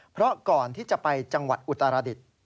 เพราะก่อนที่จะไปจังหวัดอุตรดิษฐ์